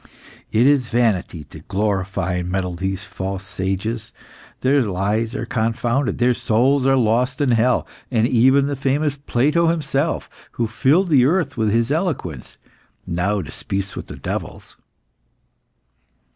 "It is vanity to glorify in metal these false sages; their lies are confounded, their souls are lost in hell, and even the famous Plato himself, who filled the earth with his eloquence, now disputes with the devils."